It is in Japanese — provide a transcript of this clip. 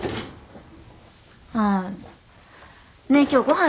あっねえ今日ご飯何？